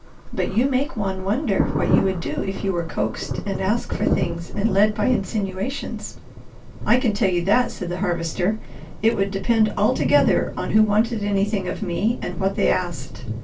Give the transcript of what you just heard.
But you make one wonder what you would do if you were coaxed and asked for things and led by insinuations." "I can tell you that," said the Harvester. "It would depend altogether on who wanted anything of me and what they asked.